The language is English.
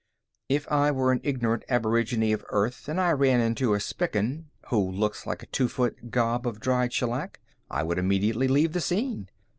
If I were an ignorant aborigine of Earth and I ran into a Spican, who looks like a two foot gob of dried shellac, I would immediately leave the scene.